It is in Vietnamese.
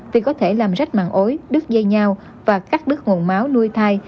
vì có thể làm rách mạng ối đứt dây nhao và cắt đứt nguồn máu nuôi thai